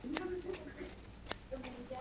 Eshakka teskari mindirilgan edi.